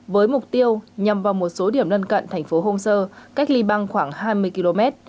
với mục tiêu nhằm vào một số điểm nân cận thành phố homser cách liban khoảng hai mươi km